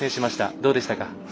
どうでしたか？